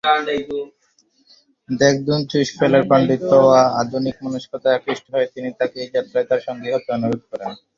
দ্গে-'দুন-ছোস-ফেলের পাণ্ডিত্য ও আধুনিকমনস্কতায় আকৃষ্ট হয়ে তিনি তাকে এই যাত্রায় তার সঙ্গী হতে অনুরোধ করেন।